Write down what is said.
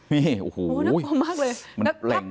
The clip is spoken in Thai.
นี่โอ้โหน่ากลัวมากเลย